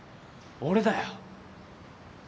俺だよ。